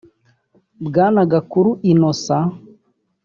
Bwana Gakuru Innocent